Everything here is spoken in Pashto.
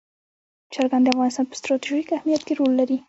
چرګان د افغانستان په ستراتیژیک اهمیت کې رول لري.